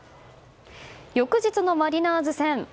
翌日のマリナーズ戦。